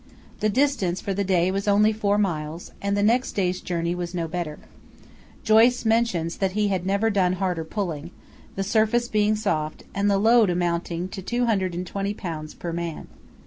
The distance for the day was only four miles, and the next day's journey was no better. Joyce mentions that he had never done harder pulling, the surface being soft, and the load amounting to 220 lbs. per man.